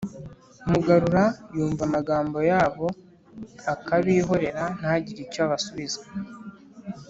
mugarura yumva amagambo yabo akabihorera ntagire icyo abasubiza